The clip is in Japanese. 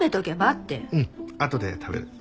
うんあとで食べる。